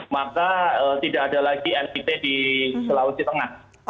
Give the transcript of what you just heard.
maka tidak ada lagi nit di sulawesi tengah